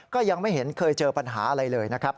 ก็ยังไม่เห็นเคยเจอปัญหาอะไรเลยนะครับ